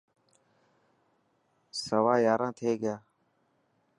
سوا ياران ٿي گيا.